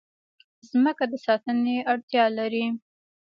مځکه د ساتنې اړتیا لري.